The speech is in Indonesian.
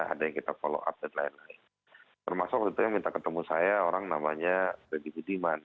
ada yang kita follow up dan lain lain termasuk waktu itu yang minta ketemu saya orang namanya freddy budiman